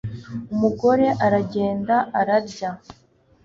umugore aragenda, ararya